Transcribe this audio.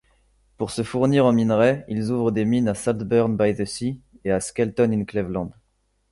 Pour se fournir en minerai, ils ouvrent des mines à Saltburn-by-the-Sea et à Skelton-in-Cleveland.